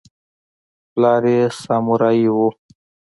پلار یې سامورايي و.